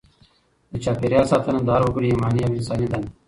د چاپیریال ساتنه د هر وګړي ایماني او انساني دنده ده.